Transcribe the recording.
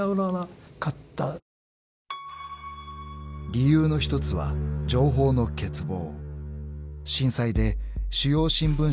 ［理由の一つは情報の欠乏］